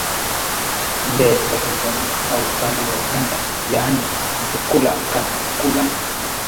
nde wa tanzania au upande wa uganda yaani mtukula ka mtukula